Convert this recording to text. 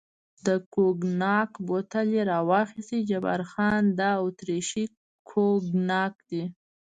د کوګناک بوتل یې را واخیست، جبار خان: دا اتریشي کوګناک دی.